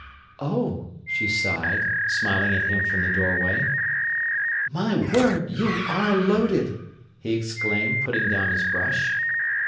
"Oh!" she sighed, smiling at him from the doorway. "My word, you are loaded!" he exclaimed, putting down his brush.